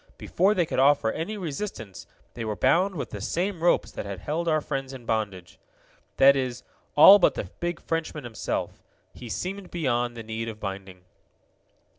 Before they could offer any resistance they were bound with the same ropes that had held our friends in bondage. That is, all but the big Frenchman himself. He seemed beyond the need of binding.